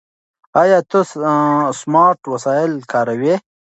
ایا ته سمارټ وسایل کاروې؟